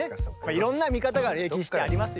いろんな見方が歴史ってありますよね。